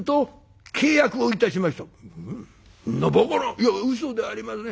「いやうそではありません。